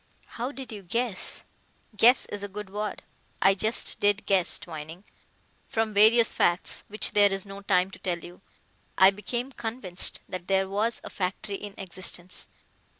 "How did you guess?" "Guess is a good word. I just did guess, Twining. From various facts which there is no time to tell you, I became convinced that there was a factory in existence.